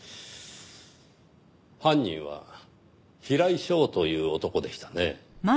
犯人は平井翔という男でしたね。